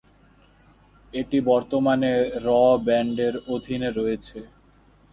এটি বর্তমানে "র" ব্রান্ডের অধীনে রয়েছে।